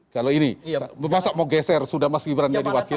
kalau ini masa mau geser sudah mas gibran jadi wakil